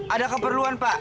ada keperluan pak